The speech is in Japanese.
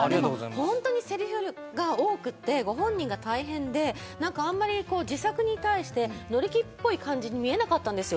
本当にせりふが多くてご本人が大変であんまり作品に対して乗り気っぽい感じに見えなかったんですよ